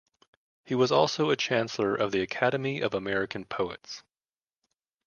He was also a Chancellor of the Academy of American Poets.